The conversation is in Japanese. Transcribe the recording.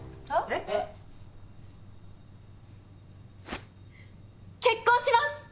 えっ？結婚します！